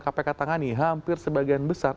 kpk tangani hampir sebagian besar